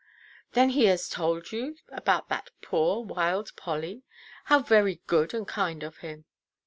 "Then he told you about that poor wild Polly? How very good and kind of him!"